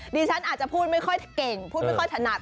ดิฉันอาจจะพูดไม่ค่อยเก่งพูดไม่ค่อยถนัด